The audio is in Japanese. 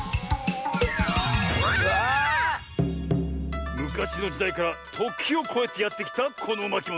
わあ！むかしのじだいからときをこえてやってきたこのまきもの。